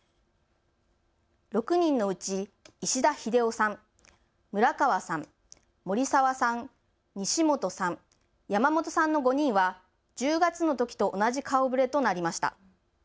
６人のうち石田秀男さん、村川さん、森澤さん、西本さん、山本さんの５人は１０月のときと同じ顔ぶれとなりました。